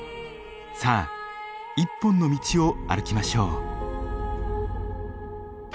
さあ一本の道を歩きましょう。